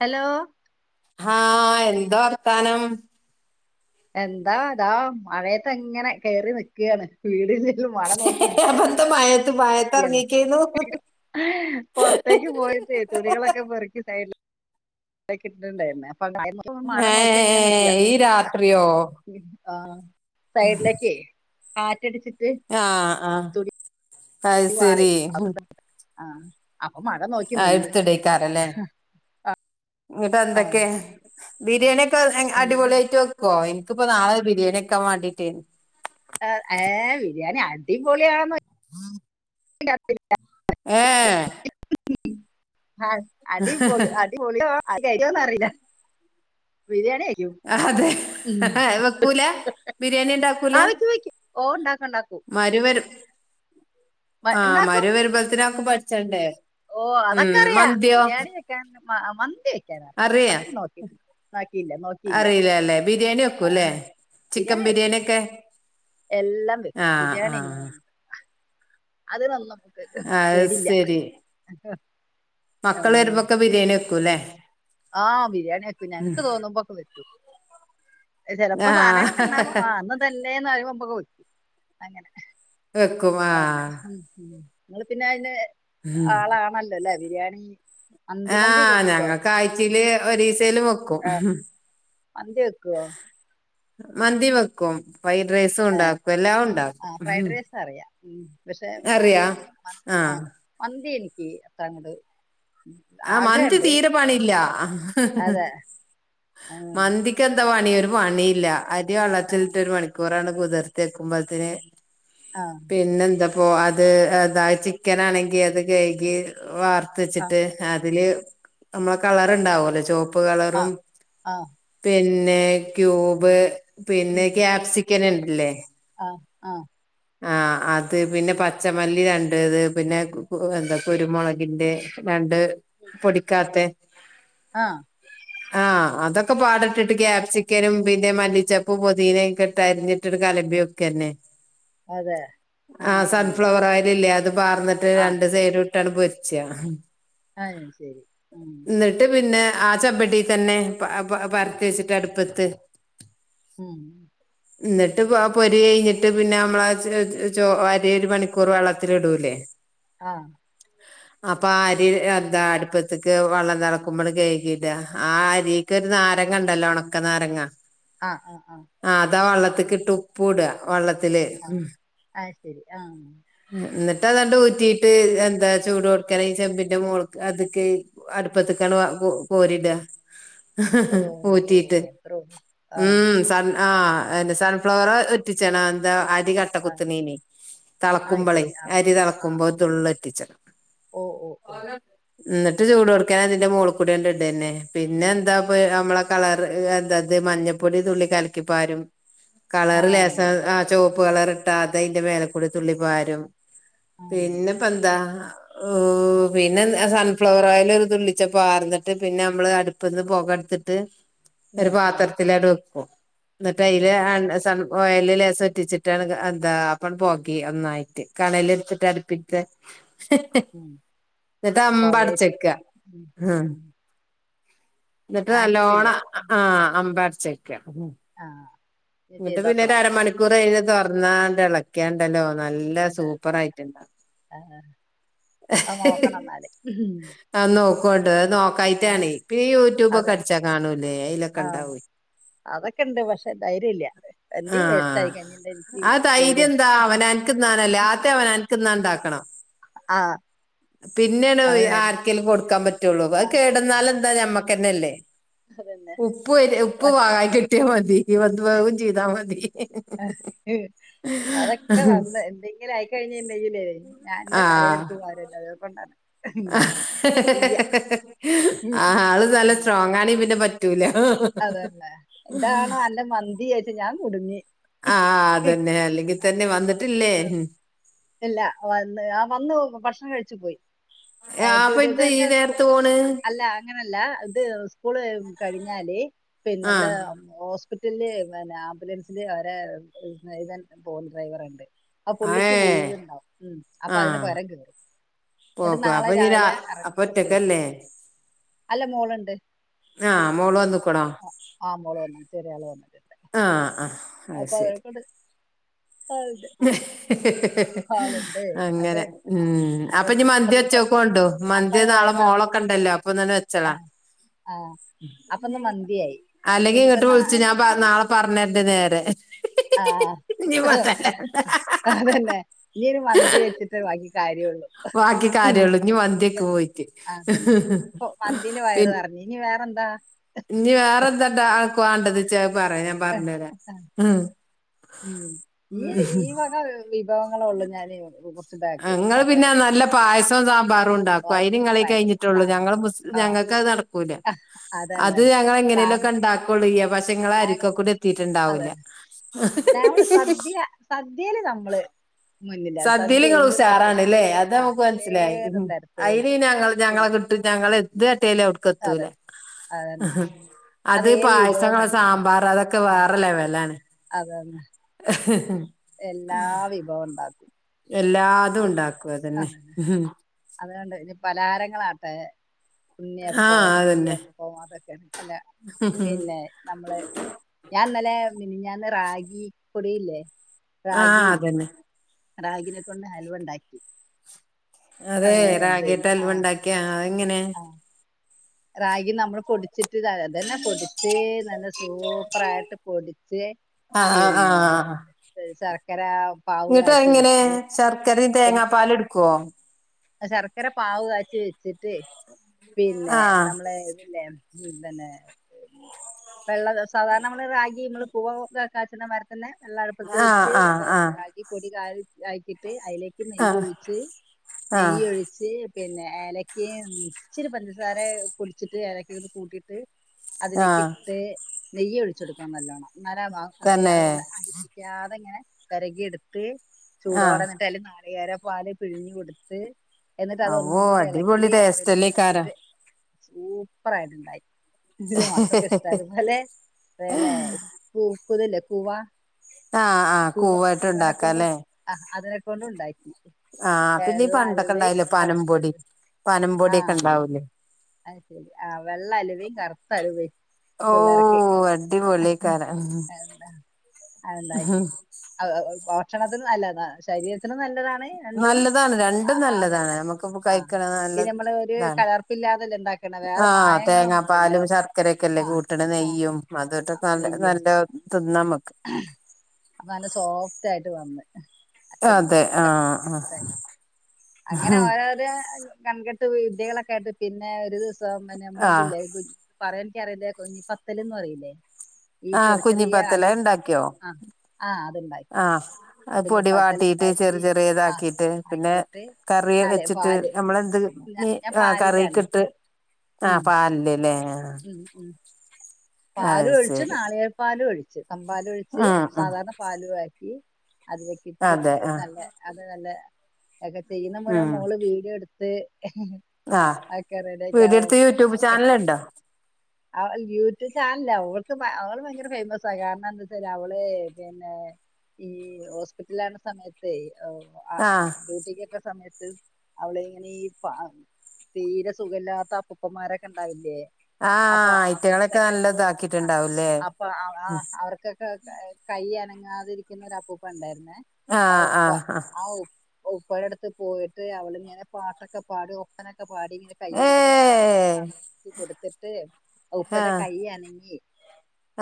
Hello ആഹ് എന്താ വർത്താനം എന്താ അതാ മഴയത്തങ്ങനെ കയറി നിക്കാണ് വീടില് അപ്പന്താ മഴ എൻ [unintelligible] അയ് കിട്ടിണ്ടാര്ന്നോ ഏഹ് ഈ രാത്രിയോ ആഹ് സൈഡിലേക്കെ കാറ്റടിച്ചി ആഹ് ആഹ് അയ് സരി അഹ് അഹ് [inaudible] ഇതിപ്പോ നാളെ ബിരിയാണെക്കാ വേണ്ടിട്ടേ അ ഏഹ് ബിരിയാണി അടിപൊളിയാണെ [unintelligible] ഏഹ് അട് അടിപൊളി അടിപൊളി അടിക്കോന്നറിയില്ല അതെ വെക്കൂല ബിരിയാണി ഉണ്ടാക്കൂല ആ വെക്കും ഓ ഉണ്ടാക്കും ഉണ്ടാക്കും മരുവരും [inaudible] മ- ആഹ് ഉണ്ടാക്കും മാരോ വരുമ്പോളത്തിന് ഉം. അതൊക്കെ പഠിച്ചണ്ടേ ഓ ഉം അതൊക്കെ അറിയാ മന്തിയോ ബിരിയാണി വെക്കാൻ മ മന്തി വെക്കാൻ അറിയില്ല അറിയ മന്തി നോക്കിയിട്ടില്ല നോക്കിയില്ല നോക്കിയില്ല അറിയില്ലലേ. ബിരിയാണി വെക്കൂല്ലേ ചിക്കൻ ബിരിയാണി വെക്കും ബിരിയാണിക്കെ എല്ലാം വെക്കും ബിരിയാണിങ്ങനെ അത് വന്നപ്പോ അ സരി മക്കൾ ഉം, വരുമ്പക്കെ ബിരി- ബിരിയാണി വെക്കൂലെ ആ ബിരിയാണി വെക്കും ഞങ്ങക്ക് തോന്നുമ്പോക്കെ വെക്കും ചെലപ്പോ ആ സാധനങ്ങളൊക്കെ ഉണ്ടാവുമ്പോ ആ ഇന്ന് ഇതല്ലേന്ന്‌ പറിമ്പോ [unintelligible] അങ്ങനെ കേെക്കമാ [unintelligible] ങ്ങള് പിന്നെ അയിന് ആളാണല്ലോ ബിരിയാണി മന്തി മന്തിയൊക്കെ വെക്കൊ ഇതില് ഒരീസേലു വെക്കും മന്തി വെക്കൊ മന്തി വെക്കും ഫ്രൈഡ് റൈസും ഉണ്ടാക്കും എല്ലാം ആ ഉണ്ടാക്കും ഫ്രൈഡ് റൈസ് അറിയാം ഉം, പക്ഷെ ഉം, അറിയോ മ- ആ ആ മന്തി എനിക്ക് അത്രങ്ങട് ആ മന്തി തീരെ പണില്ല അതെ ആഹ് മന്തിക്ക് എന്താ പണി രു പണില്ല അരി ആഹ് വള്ളത്തിലിട്ട് ഒരു മണിക്കൂറാണ്ട് കുതിർത്തി വെക്കുമ്പോത്തിന് ആഹ് പിന്നെന്താ അപ്പോ അത് അതായ ചിക്കൻ ആണെങ്കി അത് കയ്കി വാർത്ത ആഹ് വെച്ചിട്ട് അതില് നമ്മെ കളറ്ണ്ടാവല്ലോ ചോപ്പ് കളറും ആഹ് ആഹ് പി പിന്നെ ക്യൂബ് പിന്നെ ക്യാപ്സിക്കൻ ഇണ്ടലെ ആ ആ അത് പിന്നെ പച്ചമല്ലി രണ്ട്ത് പിന്നെ എന്താ കുരുമുളകിന്റെ ര ണ്ട് പൊടിക്കാത്തെ ആ ആ അതൊക്കെ പാടെട്ടിട്ട് ക്യാപ്സിക്കനും പിന്നെ മല്ലിച്ചപ്പും പോദീനൊക്കെ ഇട്ട് അരിഞ്ഞിട്ടി പയോഗക്ക [unintelligible] അതെ ആ ആഹ് ആഹ് സൺഫ്ലവർ ഓയിലില്ലേ അത് പാർന്നിട്ട് രണ്ട് സൈടു ട്ടാണ്ട് പൊരിച്ച അയ് ശരി ഉം എന്നിട്ട് പിന്നെ ആ ചെമ്പട്ടി തന്നെ പരത്തി വെച്ചിട്ട് അടുപ്പത്ത് ഉം ന്നിട്ട് ആ പൊരി കഴിഞ്ഞിട്ട് പിന്നെ നമ്മള അരി ഒരു മണിക്കൂർ വെള്ളത്തില് ഇടൂലേ ആ അപ്പൊ ആ അരി എന്താ അടുപ്പത്ത്ക്ക് വെള്ളം തെളക്കുമ്പോ കഴുകി ഇട ആ അരീക്ക് നാരങ്ങ ണ്ടല്ലോ ഒണക്ക നാരങ്ങ ആ ആ ആ ത്ത്ക്കിട്ട് ഉപ്പു ഇട വള്ളത്തില് ഉം അയ് ശരി ആ ന്നിട്ട് അതാണ്ട് ഊറ്റിട്ട് എന്താ ചൂടൊട്--ക്കനെ ചെമ്പിന്റെ മോൾ അത്ക്ക് അടുപ്പത്തി [unintelligible] കോരിടാ ഓഹ് ഊറ്റിട്ട് ഓഹ് അത്രേ ഒള്ളൂ ആഹ് ഉം സൻ ആ സൺഫ്ലവർ ഉറ്റിച്ചണം എന്താ അരി കട്ട ആഹ് കുത്ത്ണെന് അത് തെളക്കുമ്പളെ ശരി ആഹ് അരി ആഹ് തെളക്കുമ്പോ ആഹ് തുള്ള് ഉറ്റിച്ച ഓഹ് ഓഹ് ഓഹ് ന്നിട്ട് ചൂടൊട്ക്കനെ അതിന്റെ മോള് കൂടണ്ട് ഇടന്നെ പിന്നെ എന്താ നമ്മളെ കളറ് എന്താത് മഞ്ഞപ്പൊടി തുള്ളി കലക്കിപ്പാരും കളർ ലേസം ആഹ് ആ ചുവപ്പ് കളർ ഇട്ടാ അതയിന്റെ മേലക്കൂടി തുള്ളിപ്പാരും ആഹ് പിന്നെപ്പന്താ ഓ പിന്നെ സൺഫ്ലവർ ഓയില് ഒരു തുള്ളിച്ച പാർന്നിട്ട് പിന്നെ നമ്മള് അടുപ്പ്ന്ന് പൊക ത്തിട്ട് ഒരു ഉം ഉം പാത്രത്തിലാണ്ട് വെക്കും ന്നിട്ട് ഉം അഴില് സൺ ഓയല് ലേസം ഉറ്റിച്ചിട്ടാണ് അ അപ്പം പോകിം ഒന്നായിട്ട് കണല് ഇട്ത്തിട്ട് അടുപ്പിത്തെ ഉം ന്നട്ട് അമ്പ അടച്ചക്ക പുകയിച്ചിട്ട് ഉം ആ ഉം എന്നിട്ട് ആക്കിട്ടില്ല നല്ലോണ ആഹ് അമ്പാടച്ച്ക്കാ ആഹ് ഇനി ഇങ്ങിട്ട് പിന്നെ ഒരു ചെയ്തോക്കണം അരമണിക്കൂർ കഴിഞ് തുറന്നാണ്ട് ഇളക്ക്യാണ്ടല്ലോ നല്ല സൂപ്പർ ആയിട്ടുണ്ടാ അ നോക്കണം ന്നാല് അ നോക്കോണ്ട് ആ നോക്കായിട്ടാണെ പിന്നെ യൂട്യൂബൊക്കെ അതെ അടിച്ചാ കാണൂ ആ അതൊക്കെ ഇണ്ട് പക്ഷെ ധൈര്യല്ല എന്തീ വേസ്റ്റ് ആഹ് ആയി കഴിഞ്ഞിട്ട് ക്കി ആ പേടിയ ധൈര്യം എന്താ അവനാൻക്ക് തിന്നാനല്ലേ ആദ്യം അവനാൻക്ക് തിന്നാൻ ആഹ് പിന്നെണ് ആർക്കേലും കൊടുക്കാൻ പറ്റള്ളൂ അത് ആ ആ കേടന്നാലെന്താ ഞമ്മക്കന്നെല്ലേ അതന്നെ ഉപ്പ് ഉപ്പ് പക്ഷെ വാഗാ കിട്ടിയാൽ മതി അത് വേവും ചെയ്താ മതി ഉം, അതൊക്കെ വന്ന് എന്തെങ്കിലും ആയിക്കഴിഞ്ഞുണ്ടെങ്കിലേ ഞാൻന്റെ തലേൽടുത്ത്മാരല്ല അത് കൊണ്ട ആഹ് ഹ് ഹി ഉം, അത് നല്ല സ്ട്രോങ്ങണേ പിന്നെ പറ്റൂല അതല്ലേ ഇതാണോ അന്റെ മന്തി ചോയ്ച്ച് ഞാൻ കുടുങ്ങി ആഹ് അതെന്നെ അല്ലങ്കിതന്നെ വന്ന് ഇല്ല വന്ന് ആഹ് വന്നു ഭക്ഷണം കഴിച്ചു പോയി അപ്പൊ ഇത് ഈ [unintelligible] സ്കൂ നേരത്ത് പോണ് അല്ല അങ്ങനല്ല ഇത് സ്കൂൾ കഴിഞ്ഞാല് പിന്നെ ഇവിടെ ഹോ ആ ഹോസ്പിറ്റലന്നെ ആംബുലൻസില് അവരെതൻ പോൾ ഡ്രൈവർ ഇണ്ട് അപ്പൊ പുള്ളിക്ക് ഏ ലീവ് ഉണ്ടാവും അപ്പൊ ആ അതിന് പരം കേയറും എന്നിട്ട് പോക്ക് നാളെ അപ്പൊ ഇനി രാ രാവിലെ അപ്പൊ എറങ്ങിട്ട് സ്കൂള പോ ഒറ്റക്കല്ലേ അല്ല മോള്ണ്ട് ആഹ് മോള് വന്നുക്കുണോ ആ, മോള് വന്നു ചെറിയ ആള് വന്നിട്ടുണ്ട് ആഹ് ആഹ് അപ്പൊ അതൊക്കെണ്ട് ഹി ഹി ഹി ആളുണ്ട് അത് അങ്ങനെ ഉം അത് അപ്പൊ ഒരു ഇനി മന്തി അപ്പ വെച്ച് നോക്കോണ്ടൂ അപ്പ മന്തി നാളെ വയറ് നിറ- മോളെ ണ്ടല്ലോ അപ്പൊന്നെ വെച്ചളാ ആ ആ അപ്പൊന്ന് മന്തിയായി അല്ലെങ്കിൽ ഇനിയിപ്പ ഇങ്ങോട്ട് വിളിച്ചു ഞാൻ പർഞ്ഞ് നാളെ പറഞ്ഞിണ്ട് നേരെ ആഹ് ഇനി പറയണ്ട അതന്നെ നീൻ മന്തി വെച്ചിട്ട് ബാക്കി കാര്യൊള്ളൂ ബാക്കി കാര്യമുള്ളൂ ഇനി മന്തിയൊക്കെ പോയിട്ട് അതന്നെ മന്തിനെ പിൻ വയറ് നീനി വേറെന്താ ഇനി വേറെന്താണ്ടാ ആൻക്ക് വാണ്ടത് ആഹ് ആഹ് ഈ ഈവക വിഭവങ്ങള ഉള്ളൂ ഞാനൻ [unintelligible] ക്ക ആ, സൂപ്പറായിട്ട് സാമ്പാറ് ആഹ് നടക്കൂല അത് അതന്നെ ഞങ്ങള് സാം എങ്ങനെലുംക്കെ ഉണ്ടാക്കൊള്ളൂ വശങ്ങള അരിക്ക കൂടി എത്തിട്ടുണ്ടാവൂല നമ്മള് സദ്യ സദ്യല് നമ്മള് മുന്നിലാണ് സദ്യൽ സദ്യ നിങ്ങൾ എന്ത് തരത്തിലും ഉഷാറാണ്ല്ലേ അത് ആഹ് നമുക്ക് മനസ്സിലായി ഏത് തരത്തിലും അയിന് ഞങ്ങൾ ഞങ്ങളെ പിന്നെ കിട്ടി ഞങ്ങള് എന്ത് കാട്ട്യാലും അവ്ട്ക്ക് എത്തൂല അതന്നെ അതന്നെ അത് ഏത് വിഭവം പായസങ്ങൾ സാമ്പാറ് അതൊക്കെ വേറെ ലെവലാണ് അതെ അതെ [unintelligible] എല്ലാ വിഭവം ഉണ്ടാക്കി എല്ലാതും പിന്നെ ഉണ്ടാക്കും അതന്നെ അതെ അതൊണ്ട് ഇ പലഹാരങ്ങളാ ആഹ് കുന്നിയപ്പം അതന്നെ നെയ്യപ്പം അതൊക്കെ അല്ല പിന്നെ നമ്മള് ഞാൻ ഇന്നലെ മിന്ഞ്ഞാന്ന് റഗി പൊടില്ലേ ആഹ് അതന്നെ റാഗിനെ കൊണ്ട് അലുവണ്ടാക്കി. അതെ റാഗിത്തെ അൽവ ഉണ്ടാക്കിയാ അത എങ്ങനെ? ആ റാഗി നമ്മള് പൊടിച്ചിട്ട് ത അതന്നെ പൊടിച്ച് നല്ല സൂപ്പർായിട്ട് പൊടിച്ച്. ആഹ് ആഹ് പിന്നെ ആഹ് [unintelligible] ഇങ്ങിട്ട് കാച്ചി എങ്ങനെ വെച്ച് ശർക്കരയും എന്ന് തേങ്ങാ പാല് ഇടുക്കോ ശർക്കര പാവ് കാച്ചി വെച്ചിട്ട് പിന്നെ ആഹ് നമ്മള ഇതില്ലെ തന്നെ വെള്ള സാധാരണ നമ്മള് റഗി നമ്മള് പൂവ ഓക്കെ കാച്ചണ് മാരി തന്നെ വെള്ളം അടുപ്പത്ത് ആഹ് വെച്ച് ആഹ് പ്പ റാഗിപൊടി [unintelligible] ആക്കിയിട്ട് അതിലേക്ക് ആഹ് നെയ്യ് ആഹ് ഒഴിച്ച് ആഹ് നെയ്യ് ഒഴിച്ച് പിന്നെ ഏലക്ക ഇച്ചിരി പഞ്ചസാര പൊടിച്ചിട്ട് ഏലക്കെ കൂട്ടിയിട്ട് അതിലേക്ക് ആഹ് ഇട്ട് നെയ്യ് ഒഴിച്ചുകൊടുക്കണം നല്ലോണം തന്നെ [unintelligible] അടിപ്പിക്കാതെ ഇങ്ങനെ വെരകി എടുത്ത് ആഹ് ചൂടോടെന്നിട്ട അല് നാളികേര പാല് പിഴിഞ്ഞ് കൊടുത്ത് എന്നിട്ട് അത ഒന്നും അവ്വോ കൂടി ഇളക്കി അടിപൊളി റെഡി ടേസ്റ്റല്ലേക്കാരം ആക്കിട്ട് സൂപ്പർ ആയിട്ടുണ്ടായി. ഇ മക്കൊക്കെ ഇഷ്ട അതുപോലെ പിന്നെ പൂ കൂതല്ലേ കൂവ ആഹ് ആഹ് കൂ കൂവായിട്ട് കൂവനെ ഉണ്ടാക്ക കൊണ്ട് അല്ലേ ആ അതിനെ കൊണ്ട് ഉണ്ടായി. ആഹ പിന്നെ പണ്ടൊക്കെ ഇണ്ടാവല്ലേ കറുത്ത പനംപൊടി പനം പൊടൊക്കെ ഇണ്ടാവൂലേ അ ശെരി ആഹ് വെള്ള അലുവയും കറുത്ത അലുവയും ഓ പിള്ളേർക്ക് ആഹ് അടിപൊളിയേക്കാരം അന്ത അതണ്ടാക്കി അ ഭക്ഷണത്തിും നല്ലതാ ശരീ ത്തിനും നല്ലതാണ് രണ്ടും നല്ലതാണ് രണ്ടും നല്ലതാണ് അതെന്ന നമുക്കിപ്പോ ആ കഴിക്കണ നല്ല പിന്ന നമ്മള് ഒരു ഇതാണ് കലർപ്പില്ലാത്ത ആഹ് തേങ്ങാപാലും ശർക്കരൊക്കെല്ലേ ആ കൂട്ടിട ആ നെയ്യും അതട്ടൊക്കെ നല്ല നെയ്യും നല്ല [unintelligible] [unintelligible] അപ്പൊ നല്ല സോഫ്റ്റ് ആയിട്ട് വന്നു. അതെ ആഹ് [unintelligible] അങ്ങനെ ആഹ് ഓരോര കൺക കെട്ട് വിദ്യകളൊക്കെ ആയിട്ട് പിന്നെ ഒരു ദിവസം നമ്മള ആഹ് ഇതില്ല എ പറ അറിയത്തില്ല കുഞ്ഞി പത്തല്ന്ന് പറയില്ലേ ആഹ കുഞ്ഞിപ്പത്തല ഉണ്ടാക് ആഹ ആഹ അത്ണ്ടായി. അത് പൊടി വാട്ടിട്ട് ചെറിയ ചെറിയ ആഹ് ഇതാക്കിട്ട് പിന്നെ ആക്കിയിട്ട് കറിയ നാളെ വെച്ചിട്ട് പാല് നമ്മളെന്ത് ഞാ- മ ഞാൻ ആഹ പാലിലാണ് കറിക്ക് ഇട്ട് ആ ഉം പാലല്ലേ ഉം ഉ പാല ഒഴിച്ചു ശരി നാളികേരപാലു ഒഴി തമ്പാല ഒഴിച്ച് ഉം ഉം സാധാരണ പാലും ആക്കി. അതിലൊക്കെ അതെ ഇട്ടെടുത്ത് ആഹ് നല്ല അത് നല്ല ഒക്കെ ചെയ്യുന്ന മുഴ മോള് വീഡിയോ എടുത്ത് ആഹ ഒക്കെ വിഡിയോ എടുത്ത് യൂട്യൂബ് ചാനലുണ്ടോ? അവല് യു ചാനല്ല അവൾക്ക് അവള് ഭയങ്കര ഫേമസാ കാരണം എന്താ വച്ചാല് അവള് പിന്നെ ഈ ഹോസ്പിറ്റല ആണ സമയത്ത് ആഹ് ഡ്യൂട്ടിക്ക്ക്കെ സമയ ത്ത് അവള ഇങ്ങനെ ഈ തീരെ സുഖല്ലാത്ത അപ്പപ്പമാരൊക്കെ ഉണ്ടാവില്ലേ? ആഹ് ആയിട്ടകള [unintelligible] അവർക്കുക് കയ്യി അനങ്ങാതിരിക്കുന്ന ഒരു അപ്പൂപ്പ ഉണ്ടായിരുന്നു. ആഹ ആഹ് ആഹ ഇപ്പോഴ അടുത്ത് പോയിട്ട് അവള ഇങ്ങനെ പാട്ടൊക്കെ പാടി ഒക്കനെ പാടിങ്ങനെ കൈ കൊണ്ടൊക്കെ ഏഹ് [unintelligible] കൊടുത്തിട്ട് ഉപ്പന്റെ ആഹ് കൈ അനങ്ങി.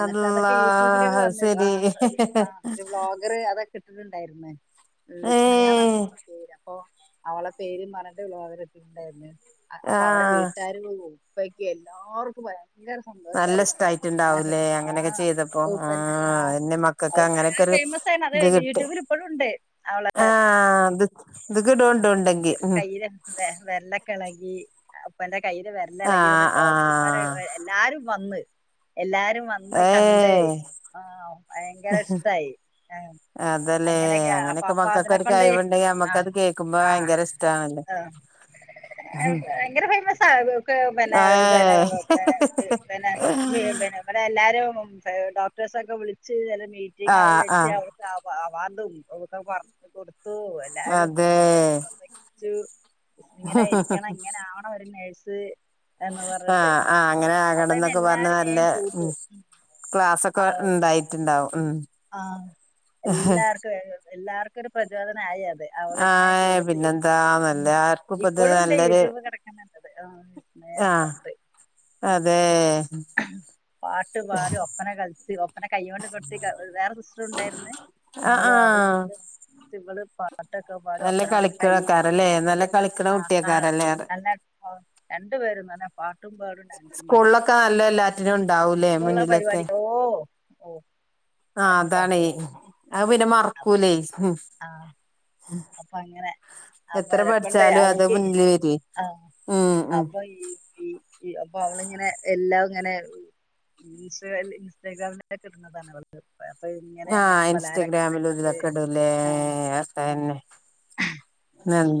എന്നിട്ട് അതൊക്കെ അള്ളാ യൂട്യൂബിലൊക്കെ അത് വന്ന ശരി ആഒര് ആ ബ്ലോഗർ അത് കിട്ടിട്ടുണ്ടായിരുന്നേ വിസ്മയന്ന ഏഹ് മ്മോള പേര് അപ്പൊ അവളെ പേര് പറട്ട് [unintelligible] അപ്പൊ അവരെ ആഹ് വീട്ടാരും ഇപ്പയ്ക്ക് എല്ലാർക്കും [unintelligible] ഭയങ്കര നല്ല സന്തോഷായി ആ ഇഷ്ടായിട്ടുണ്ടാവൂലേ അങ്ങനെയൊക്കെ ചെയ്തപ്പോ ആഹ് അതന്നെ മക്കൾക്ക് അങ്ങനെയൊക്കെ [unintelligible] ഒരു ഫേമസ് ആയിണ് അത് ഇത് കിട്ടി യൂട്യൂബിൽ ഇപ്പോഴുംണ്ട് അവളെ ആഹ് ഇത് ഇത് കിടുണ്ടോ ഉണ്ടെങ്കി എന്നിട്ട് ഉം കയ്യിലെ [unintelligible] അപ്പന്റെ കയ്ൽ വെര്ലളകി ആഹ് ഡോക്ടർമാരെ ആഹ് എല്ലാരും വന്ന് എല്ലാരും വന്ന് കണ്ട് ഏഹ് ആഹ ഭയങ്കര ഇഷ്ടായി. അതല്ലേ അങ്ങനെയൊക്കെയ അപ്പൊ അങ്ങനെയൊക്കെ അപ്പൊ മക്കൾക്ക് ഒരു അതിനെക്കൊണ്ട് കഴിവുണ്ടെങ്കിൽ ആഹ നമ്മക്കത് കേൾക്കുമ്പോ ആഹ ഭയങ്കര ഇഷ്ടാണല്ലോ ആ ഭയങ്കര ഫേയ്മസ് [unintelligible] ഏ ഇവിടെ എല്ലാരും ഏ ഡോക്ടേഴ്സൊക്കെ വിളിച്ച് ചെല മീറ്റിംഗ ആഹ് വെച്ച് ആഹ് അവൾക്ക് അവ അവാർഡും ഒരോന്ന് പറഞ്ഞ കൊടുത്തു എല്ലാരും അതെ [unintelligible] ഇങ്ങനെ ഇരിക്കണം ഇങ്ങനെ ആാവണം ഒരു നേഴ്സ് എന്ന് പറഞ്ഞിട്ട് ആഹ ആ അങ്ങനെ ആകണം അവളെന്നെ ന്നൊക്കെ പറഞ് എല്ലാരും വേഗം നല്ല കൂട്ടും ക്ലാസൊക്കെ ഉണ്ടായിട്ടുണ്ടാവും ഉം ആഹ എല്ലാർക്കും എല്ലാർക്കും ഒരു പ്രചോദനായി അത് അവളങ്ങനെ ആഹ് ചെയ്തിട്ട് പിന്നെന്താ നല്ല ആർക്കും ഇപ്പത് ഇപ്പോഴും ഉണ്ട് യൂട്യൂബ് കിടക്കണണ്ടത് ആ ആഹ [unintelligible] പാട്ട് പാടി ഒപ്പന കൾ ച്ച് ഒപ്പന കൈകൊണ്ട് കൊട്ടി വെ വേറെ സിസ്റ്റർ ഉണ്ടായിരുന്ന് ആഹ് മോള് അവള് ആഹ് [unintelligible] പാട്ടൊക്കെ പാടി നല്ല ഒപ്പനോണ്ട് എന്തായി കളിക്കണക്കാരല്ലേ നല്ല കളിക്കണ [unintelligible] കുട്ടിയക്കാരല്ലേ രണ്ട് പേരും നല്ല പാ ട്ടും പാടും ഡാൻസും കളിക്കും സ്കൂളിലൊക്കെ നല്ല എല്ലാറ്റിനും ഉണ്ടാവൂലേ ഇപ്പോള്ള പരിപാടി ഓ ഓ ആ അതിനും പാട്ട് അതാണ് പാടും അത് പിന്നെ അപ്പൊ മറക്കൂലേയ് ആ അപ്പൊ അങ്ങനെ അപ്പൊവരെ ക്കൊണ്ട് പഠിച്ചാലും അത് അവൾക്ക് മുന്നില് വരേ ആഹ ഉം ഉം അപ്പൊ ഈ അപ്പൊ അവളിങ്ങനെ എല്ലാവ ങ്ങനെ ഇൻസെല് ഇൻസ്റ്റഗ്രാമിലൊക്കെ കിട്ടുന്നതാണ്അവൾക്ക് പ്പൊ അപ്പൊ ഇങ്ങനെ ഞാൻ ആഹ് പലഹാ രൊക്കെ [unintelligible] ഉണ്ടാക്ക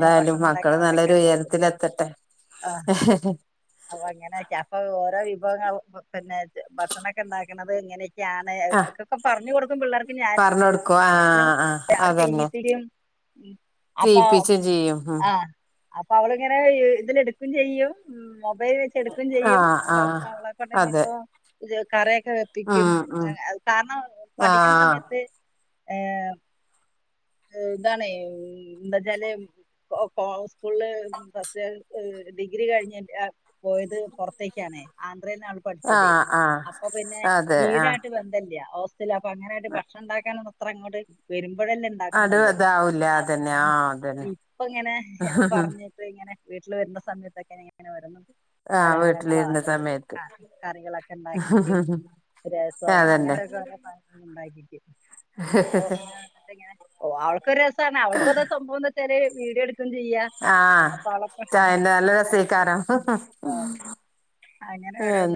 ഞാൻ ഭക്ഷണം മക്കള് ഉണ്ടാക്കണതൊക്കെ നല്ലൊരു ഉണ്ടാക്കും ഉയരത്തിലത്തട്ടെ. ആ എ ഹ് ഹ് അപ്പൊ അങ്ങനെക്കെ അപ്പൊ ഓരോ വിഭവങ്ങ പിന്നെ ഭക്ഷണൊക്കെ ഉണ്ടാക്കണുന്നത് എങ്ങനെയ ക്ക്യാന്ന് ആഹ് എന്നൊക്കൊക്കെ പറഞ്ഞു കൊടുക്കും പിള്ളേർക്ക് ഞാൻ പറഞ്ഞ് കൊടുക്കും ആഹ് ഹലോ ആഹ് [unintelligible] അതന്നെ ചെയപ്പിക്കും അപ്പൊ ചെയ്യിപ്പിച്ചും ചെയ്യും ഉം ആഹ അപ്പൊ അവളിങ്ങനെ ഇതില് എടുക്കും ചെയ്യും. മൊബൈൽ ച്ച് എടുക്കും ചെയ്യും ആഹ് അപ്പൊ ആഹ് അവളെക്കൊണ്ട് അതെ [unintelligible] ക്കെ വെപ്പിക്കും ഉം ഉം കാരണം പഠിക്കണ ആഹ് സമയത്ത് ഏ ഇതാണ്എന്താച്ചാല് കോ കോ സ്കൂളില് ഫസ്റ്റ് ഡിഗ്രി കഴിഞ്ഞ പോയത് പുറത്തേക്കാന്നേയ് ആ അത്ര നാൾ ആഹ് ആഹ് പഠിച്ചത്അപ്പൊ പിന്നെ അതെ ആഹ് വീടായിട്ട് ബന്തല്ല ഹോസ്റ്റല്ല് അപ്പൊ അങ്ങനെആണ്ട് ഭക്ഷണം ഉണ്ടാക്കാനൊന്നും ത്ര അങ്ങോട്ട് വരു ഇപ്പഴല്ലേ അത് ഉണ്ടാക്കുന്നുള്ളൂ ഇതാവൂല അപ്പ അതന്നെ ആഹ് അതന്നെ ഇപ്പ ഇങ്ങനെ പറഞ്ഞിട്ട് ഇങ്ങനെ വീട്ടിൽ വരുന്ന സമയത്തൊക്കെങ്ങനെഇങ്ങനെ ഓരോന്ന് ആഹ് പലഹാരങ്ങളോ വീട്ടിലിരുന്ന അല്ലെങ്കിൽ സമയത്ത് കറികളൊക്കെണ്ടാക്കീറ്റ് രസം അതന്നെ അങ്ങനെയൊക്കെ [unintelligible] ഉണ്ടാക്കി [unintelligible] അവൾക്കൊരു രസാ ണ് അവൾക്കത് സംഭവം ന്ന്വെച്ചാല് ആഹ അവളൊക്കെ ചായന്റെ നല്ല രസയ്ക്കാരം ഹ് ഹ് ഉം ആ അങ്ങനെ ഓരോന്ന്